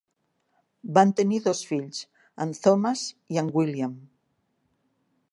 Van tenir dos fills, en Thomas i en William.